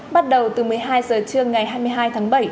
bắt đầu từ một mươi hai h trưa ngày hai mươi hai tháng bảy